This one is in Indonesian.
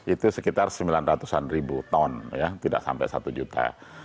itu sekitar sembilan ratus an ribu ton tidak sampai satu juta